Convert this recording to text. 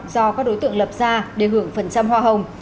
do các đối tượng lập ra để hưởng phần trăm hoa hồng